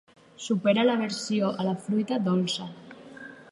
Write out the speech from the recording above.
Supera l'aversió a la fruita dolça.